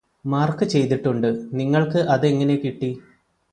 mark ചെയ്തിട്ടുണ്ട് നിങ്ങള്ക്ക് അത് എങ്ങനെ കിട്ടി